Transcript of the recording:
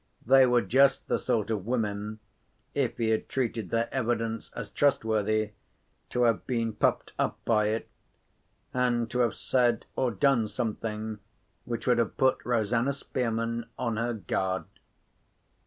They were just the sort of women, if he had treated their evidence as trustworthy, to have been puffed up by it, and to have said or done something which would have put Rosanna Spearman on her guard.